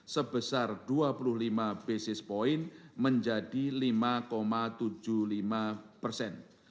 sebesar dua puluh lima basis point menjadi lima tujuh puluh lima persen